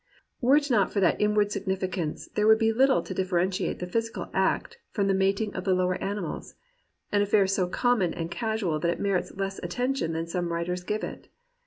Were it not for that inward significance there would be httle to differentiate the physical act from the mat ing of the lower animals — an affair so common and casual that it merits less attention than some writers give it.